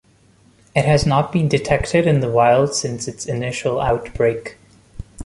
It has not been detected in the wild since its initial outbreak.